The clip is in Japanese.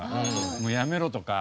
「もうやめろ」とか。